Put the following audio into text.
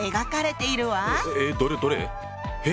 えどれどれ？へ？